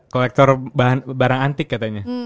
kolektor barang antik katanya